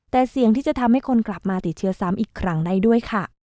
แต่เสี่ยงที่จะทำให้คนกลับมาติดเชื้อซ้ำอีกครั้งได้ด้วยค่ะ